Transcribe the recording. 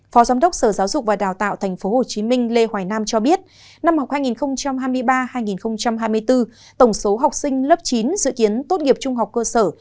phó giám đốc sở giáo dục và đào tạo tp hcm lê hoài nam cho biết năm học hai nghìn hai mươi ba hai nghìn hai mươi bốn tổng số học sinh lớp chín dự kiến tốt nghiệp trung học cơ sở